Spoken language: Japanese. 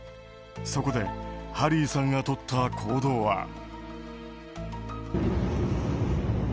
そこでハリーさんがとった行動は。